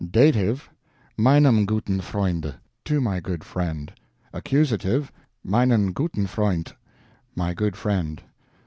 Dative MeinEM gutEN Freund, to my good friend. Accusative MeinEN gutEN Freund, my good friend.